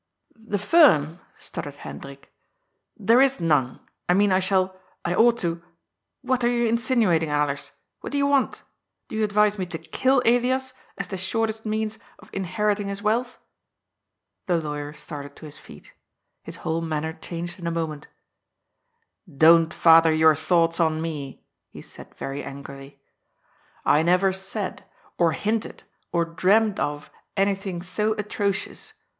" The firm !" stuttered Hendrik. " There is none. I mean I shall — ^I ought to — ^what are you insinuating, Alers ? What do you want? Do you advise me to kill Elias as the shortest means of inheriting his wealth ?'* The lawyer started to his feet. His whole manner HBNDRIK'S TEMPTATION. 126 changed in a moment. *^ Don't .father jonr thoughts on me," he said very angrily. "I never said, or hinted, or dreamed of, anything so atrocious.